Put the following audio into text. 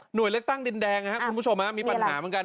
หน่วยเลขตั้งดินแดงคุณผู้ชมมีปัญหาเหมือนกัน